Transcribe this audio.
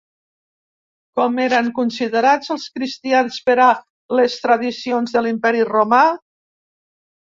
Com eren considerats els cristians per a les tradicions de l'Imperi Romà?